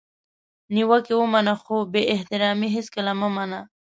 نیوکه ومنه خو بي احترامي هیڅکله مه منه!